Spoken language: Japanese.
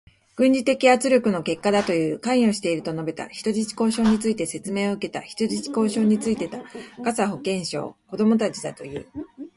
軍事的圧力の結果だという。関与していると述べた。人質交渉について説明を受けた。人質交渉についてた。ガザ保健省、子どもたちだという。